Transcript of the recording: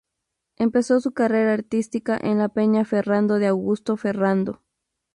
Empezó su carrera artística en la Peña Ferrando de Augusto Ferrando.